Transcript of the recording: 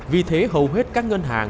vì thế hầu hết các ngân hàng